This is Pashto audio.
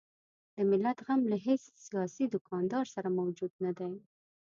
د ملت غم له هیڅ سیاسي دوکاندار سره موجود نه دی.